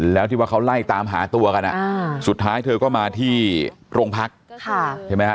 แล้วที่ว่าเขาไล่ตามหาตัวกันสุดท้ายเธอก็มาที่โรงพักใช่ไหมฮะ